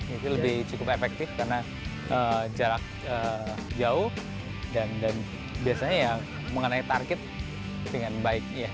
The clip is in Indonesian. itu lebih cukup efektif karena jarak jauh dan biasanya ya mengenai target dengan baik